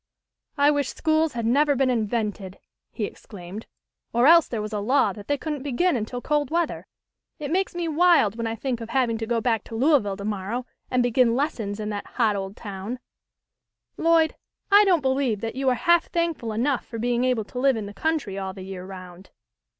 "I wish schools had never been invented," he exclaimed, "or else there was a law that they couldn't begin until cold weather. It makes me wild 1 8 THE LITTLE COLONEL'S HOLIDAYS. when I think of having to go back to Louisville to morrow and begin lessons in that hot old town. Lloyd, I don't believe that you are half thankful enough for being able to live in the country all the year round."